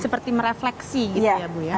seperti merefleksi gitu ya bu ya